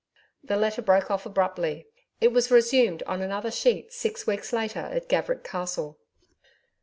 The letter broke off abruptly. It was resumed on another sheet six weeks later at Gaverick Castle.